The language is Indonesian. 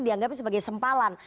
dianggap sebagai sempalan